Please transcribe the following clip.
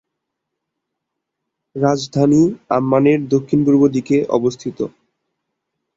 রাজধানী আম্মানের দক্ষিণপূর্ব দিকে অবস্থিত।